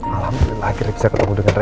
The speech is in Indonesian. alhamdulillah akhirnya bisa ketemu dengan rena